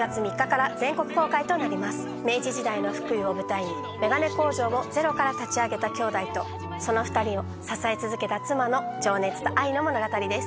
明治時代の福井を舞台に眼鏡工場をゼロから立ち上げた兄弟とその２人を支え続けた妻の情熱と愛の物語です。